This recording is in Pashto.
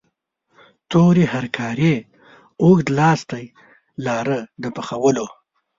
تورې هرکارې اوږد لاستی لاره د پخولو.